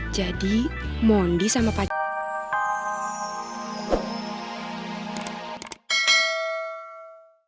jadi mondi sama pacar